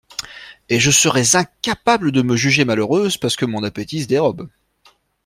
Et je serais incapable de me juger malheureuse parce que mon appétit se dérobe.